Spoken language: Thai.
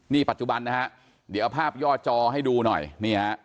นี่ปัจจุบันนะฮะเดี๋ยวเอาภาพย่อจอให้ดูหน่อยนี่ฮะ